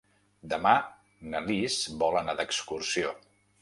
Demà na Lis vol anar d'excursió.